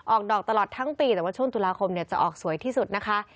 ออกดอกตลอดทั้งปีแต่ว่าช่วงตุลาคมจะออกสวยที่สุดนะคะ